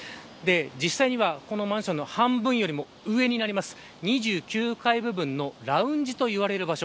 実際にはこのマンションの半分よりも上になります２９階部分のラウンジといわれる場所。